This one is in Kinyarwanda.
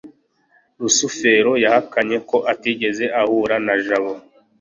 rusufero yahakanye ko atigeze ahura na jabo